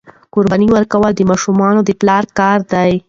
قرباني ورکول د ماشومانو د پلار کار دی.